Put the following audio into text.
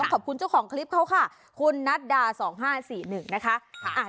ขอบคุณเจ้าของคลิปเขาค่ะคุณนัดดา๒๕๔๑นะคะ